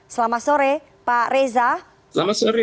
selamat sore pak reza